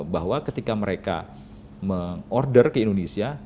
bahwa ketika mereka meng order ke indonesia